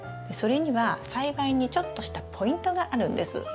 それには栽培にちょっとしたポイントがあるんです。